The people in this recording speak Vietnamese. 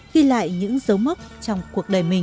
ghi lại những dấu mốc trong cuộc đời mình